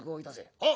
「はっ」。